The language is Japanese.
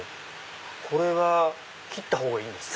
これは切った方がいいんですか？